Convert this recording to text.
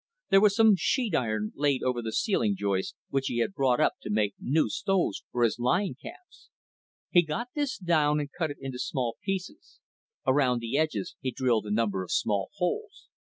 There was some sheet iron laid over the ceiling joists, which he had brought up to make new stoves for his line camps. He got this down and cut it into small pieces. Around the edges he drilled a number of small holes.